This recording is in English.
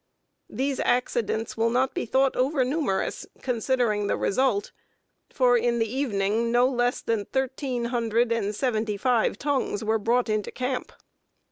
These accidents will not be thought overnumerous, considering the result, for in the evening no less than thirteen hundred and seventy five tongues were brought into camp."